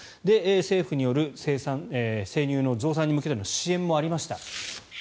政府による生乳の増産に向けての支援もありました。